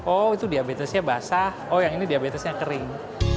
oh itu diabetesnya basah oh yang ini diabetesnya kering